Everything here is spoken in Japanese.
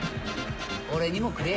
俺にもくれ。